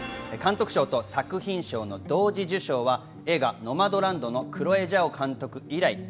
監督賞と作品賞の同時受賞は映画『ノマドランド』のクロエ・ジャオ監督以来。